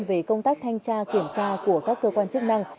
về công tác thanh tra kiểm tra của các cơ quan chức năng